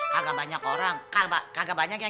kagak banyak orang kagak banyak yang